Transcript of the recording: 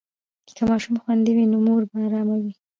که ماشوم خوندي وي، نو مور به ارامه وي.